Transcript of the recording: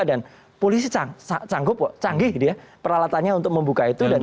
dan polisi canggih peralatannya untuk membuka itu